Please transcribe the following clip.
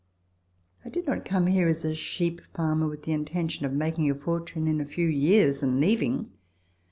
I did not come here as a sheep farmer with the intention of making a fortune in a few years, and leaving.